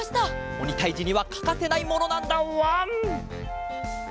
おにたいじにはかかせないものなんだわん！